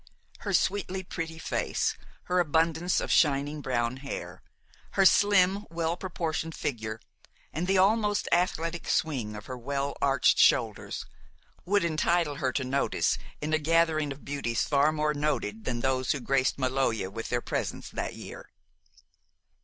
Her sweetly pretty face, her abundance of shining brown hair, her slim, well proportioned figure, and the almost athletic swing of her well arched shoulders, would entitle her to notice in a gathering of beauties far more noted than those who graced Maloja with their presence that year.